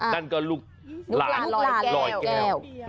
นั่นก็ลูกหลานลอยแก้ว